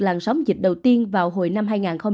làn sóng dịch đầu tiên vào hồi năm hai nghìn hai mươi